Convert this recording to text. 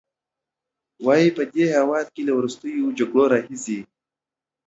وايي، په دې هېواد کې له وروستیو